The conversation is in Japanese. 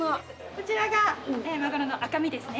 こちらがマグロの赤身ですね。